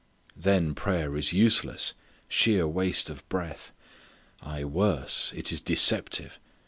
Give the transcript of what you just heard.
Then prayer is useless; sheer waste of breath. Aye, worse, it is deceptive.